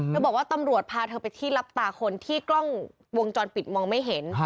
บอกว่าตำรวจพาเธอไปที่รับตาคนที่กล้องวงจรปิดมองไม่เห็น